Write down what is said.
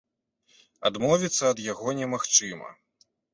Адмовіцца ад яго немагчыма.